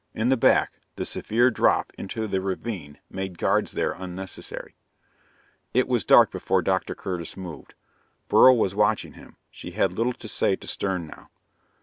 In the back, the severe drop into the ravine made guards there unnecessary. It was dark before Dr. Curtis moved. Beryl was watching him; she had little to say to Stern now.